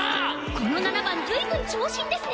この７番随分長身ですね。